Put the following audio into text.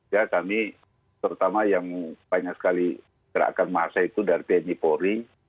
ya kami terutama yang banyak sekali gerakan masa itu dari tni polri